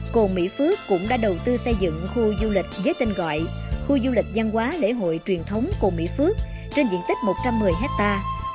cồn mỹ phước cũng đã đầu tư xây dựng khu du lịch với tên gọi khu du lịch văn hóa lễ hội truyền thống cồn mỹ phước trên diện tích một trăm một mươi hectare